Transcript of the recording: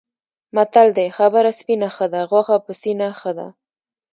متل دی: خبره سپینه ښه ده، غوښه پسینه ښه ده.